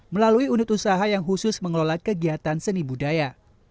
melalui unit usaha yang khusus mengelola kegiatan seni budaya